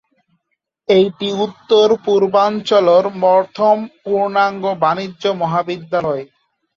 এইটি উত্তর-পূর্বাঞ্চলর প্রথম পূর্ণাঙ্গ বাণিজ্য মহাবিদ্যালয়।